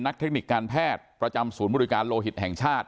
เทคนิคการแพทย์ประจำศูนย์บริการโลหิตแห่งชาติ